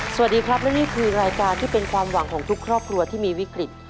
สวัสดีครับและนี่คือรายการที่เป็นความหวังของทุกครอบครัวที่มีวิกฤต